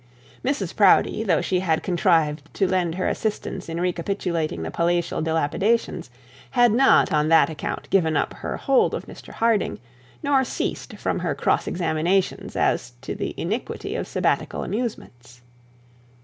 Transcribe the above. Mrs Proudie, though she had contrived to lend her assistance in recapitulating the palatial dilapidations, had not on that account given up her hold of Mr Harding, nor ceased from her cross examination as the iniquity of Sabbatical amusements.